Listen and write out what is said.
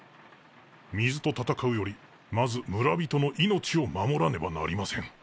水と闘うよりまず村人の命を守らねばなりません。